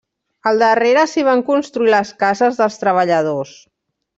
Al darrere s'hi van construir les cases dels treballadors.